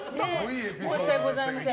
申し訳ございません